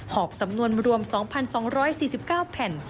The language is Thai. หอบสำนวนรวม๒๒๔๙แผ่น